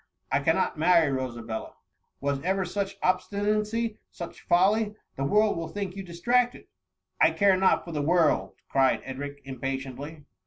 ""'' I cannot marry Rosabella !""" Was ever such obstinacy !— such folly ! The world will think you distracted.'' ^ I care not for the world !'' cried Edric, im patiently.